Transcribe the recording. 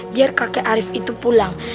biar kakek arief itu pulang